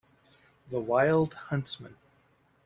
The wild huntsman.